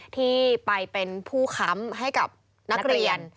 ที่ไปเป็นผู้ค้ำให้กับนักเรียน